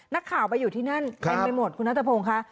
นักข่าวมาอยู่ที่นั่นแม่งไม่หมดคุณนัทธพงศ์คะ